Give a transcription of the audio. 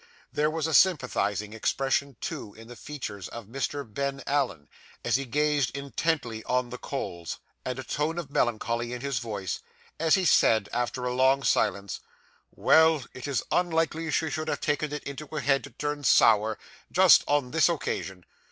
There was a sympathising expression, too, in the features of Mr. Ben Allen, as he gazed intently on the coals, and a tone of melancholy in his voice, as he said, after a long silence 'Well, it is unlucky she should have taken it in her head to turn sour, just on this occasion.